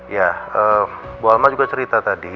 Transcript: ya bu alma juga cerita tadi